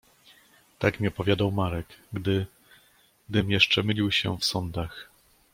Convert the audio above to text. Tak mi opowiadał Marek, gdy… gdym jeszcze mylił się w sądach.